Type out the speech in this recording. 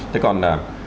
thế còn là